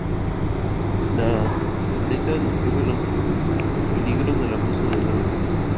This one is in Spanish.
La letra describe los peligros del abuso de drogas.